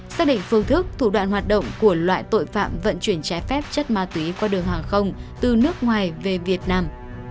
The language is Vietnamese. xác định phương thức thủ đoạn hoạt động của loại tội phạm vận chuyển trái phép chất ma túy qua đường hàng không từ nước ngoài về việt nam